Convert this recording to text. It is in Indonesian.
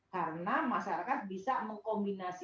karena masyarakat bisa mengkombinasi